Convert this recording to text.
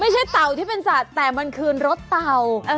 เต่าที่เป็นสัตว์แต่มันคือรถเต่า